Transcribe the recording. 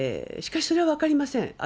しかし、それは分かりません。